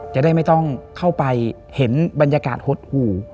จะได้ไม่ต้องเข้าไปเห็นบรรยากาศหดหู่